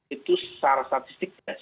itu secara statistik lima nama teratas